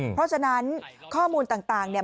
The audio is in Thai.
เพราะฉะนั้นข้อมูลต่างเนี่ย